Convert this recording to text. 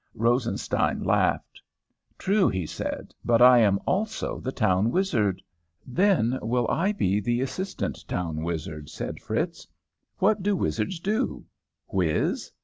"Rosenstein laughed. 'True,' he said. 'But I am also the town wizard.' "'Then will I be the assistant town wizard,' said Fritz. 'What do wizards do whiz?'